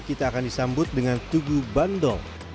kita akan disambut dengan tugu bandol